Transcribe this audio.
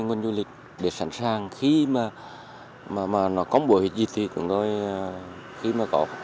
ngành du lịch luôn luôn sẵn sàng để đón khách ở những chỗ một là chúng tôi phải giữ được nguồn nhân lực